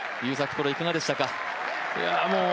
プロ、いかがでしたか。